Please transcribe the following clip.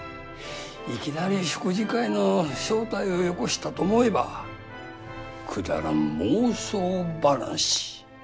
いきなり食事会の招待をよこしたと思えばくだらん妄想話。